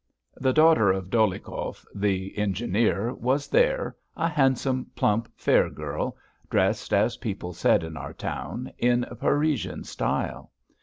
The daughter of Dolyhikov, the engineer, was there, a handsome, plump, fair girl, dressed, as people said in our town, in Parisian style.